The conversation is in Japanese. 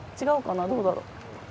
違うかなどうだろう？